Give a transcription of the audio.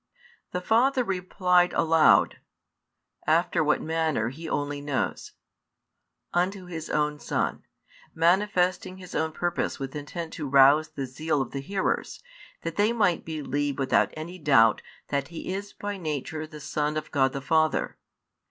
The Father replied aloud after what manner He only knows unto His own Son, manifesting His own purpose with intent to rouse the zeal of the hearers, that they might believe without any doubt that He is by Nature the Son of God the Father.